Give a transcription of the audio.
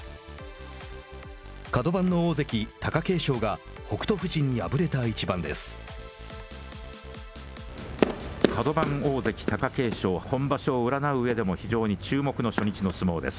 角番の大関・貴景勝が北勝富士に敗れた一番です。